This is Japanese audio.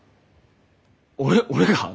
俺俺が？